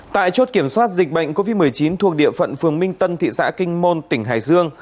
tại chốt kiểm soát dịch bệnh covid một mươi chín thuộc địa phận phường minh tân thị xã kinh môn tỉnh hải dương